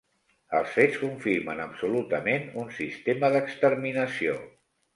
Els fets confirmen absolutament un sistema d'exterminació.